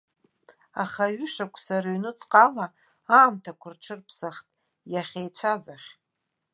Аха ҩышықәса рыҩнуҵҟала аамҭақәа рҽырԥсахт иахьеицәаз ахь.